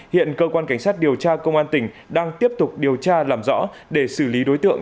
hiện cơ quan cảnh sát điều tra công an tỉnh đang tiếp tục điều tra làm rõ để xử lý đối tượng